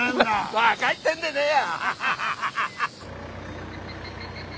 バカ言ってんでねえよ！